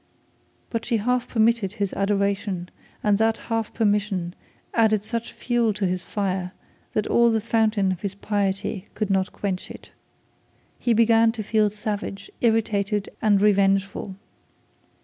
But she half permitted his adoration, and that half permission added such fuel to his fire that all the fountain of piety could not quench it. He began to feel savage, irritated, and revengeful.